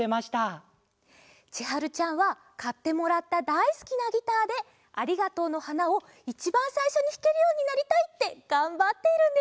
ちはるちゃんはかってもらっただいすきなギターで「ありがとうの花」をいちばんさいしょにひけるようになりたいってがんばっているんですって。